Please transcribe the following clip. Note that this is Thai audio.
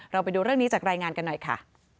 ไปดูเรื่องนี้จากรายงานกันหน่อยค่ะ